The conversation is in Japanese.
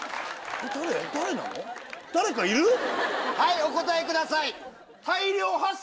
はいお答えください！